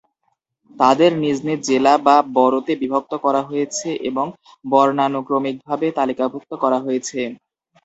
তাদের নিজ নিজ জেলা বা বরোতে বিভক্ত করা হয়েছে এবং বর্ণানুক্রমিকভাবে তালিকাভুক্ত করা হয়েছে।